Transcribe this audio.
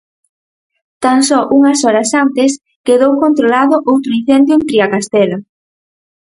Tan só unhas horas antes, quedou controlado outro incendio en Triacastela.